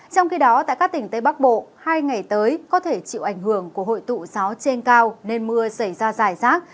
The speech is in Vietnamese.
trong khi đó tại các tỉnh tây bắc bộ hai ngày tới có thể chịu ảnh hưởng của hội tụ gió trên cao nên mưa xảy ra dài rác